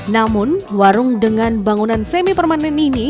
namun warung dengan bangunan semi permanen ini